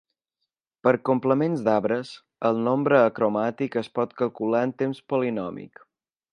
Per complements d'arbres, el nombre acromàtic es pot calcular en temps polinòmic.